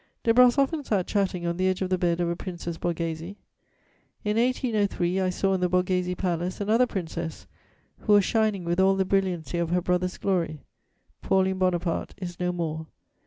De Brosses often sat chatting on the edge of the bed of a Princess Borghese. In 1803, I saw in the Borghese Palace another princess who was shining with all the brilliancy of her brother's glory: Pauline Bonaparte is no more!